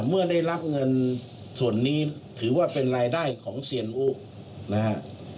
เมื่อได้รับเงินส่วนนี้ถือว่าเป็นรายได้ของเซียนอุนะฮะ